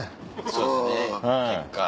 そうですね結果。